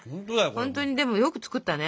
本当にでもよく作ったね。